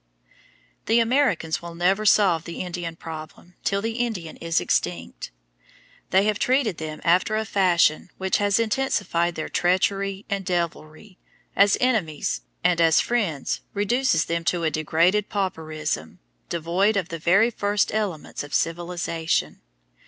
The Americans will never solve the Indian problem till the Indian is extinct. They have treated them after a fashion which has intensified their treachery and "devilry" as enemies, and as friends reduces them to a degraded pauperism, devoid of the very first elements of civilization.